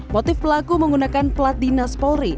motif pelaku menggunakan pelat dinas polri